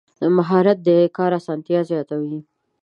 مهارت د کار اسانتیا زیاتوي.